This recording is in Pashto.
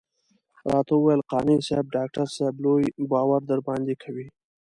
راته وويل قانع صاحب ډاکټر صاحب لوی باور درباندې کوي.